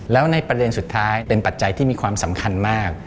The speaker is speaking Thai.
แล้วในประเด็นสุดท้ายเป็นปัจจัยที่มีความสำคัญมาก